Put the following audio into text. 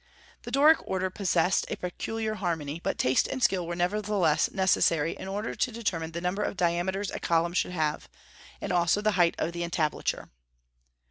The Doric order possessed a peculiar harmony, but taste and skill were nevertheless necessary in order to determine the number of diameters a column should have, and also the height of the entablature.